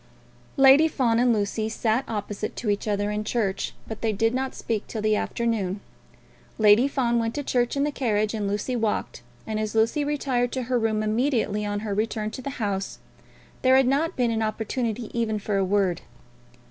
Lady Fawn and Lucy sat opposite to each other in church, but they did not speak till the afternoon. Lady Fawn went to church in the carriage and Lucy walked, and as Lucy retired to her room immediately on her return to the house, there had not been an opportunity even for a word.